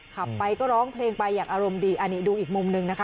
ขับไปก็ร้องเพลงไปอย่างอารมณ์ดีอันนี้ดูอีกมุมหนึ่งนะคะ